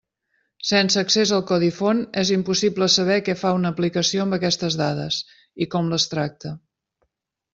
Sense accés al codi font és impossible saber què fa una aplicació amb aquestes dades, i com les tracta.